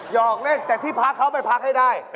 อกเล่นแต่ที่พักเขาไปพักให้ได้